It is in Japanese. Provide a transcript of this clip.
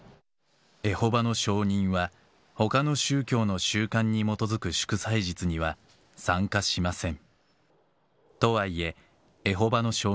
エホバの証人は、ほかの宗教の習慣に基づく祝祭日には参加しません。